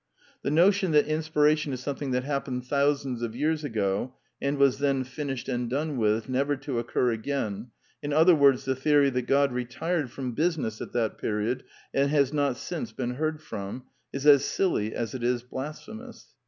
The notion that inspiration is something that hap pened thousands of years ago, and was then fin ished and done with, never to occur again: in other words, the theory that God retired from business at that period and has not since been heard from, is as silly as it is blasphemous.